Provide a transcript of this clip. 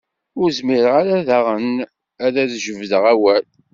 Ur zmireɣ ara daɣen ad as-d-jebdeɣ awal.